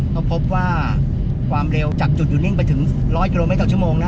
ก็พบว่าความเร็วจากจุดอยู่นิ่งไปถึง๑๐๐กิโลเมตรต่อชั่วโมงนะ